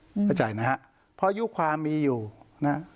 เข้าใจนะครับเพราะอายุความมีอยู่นะครับ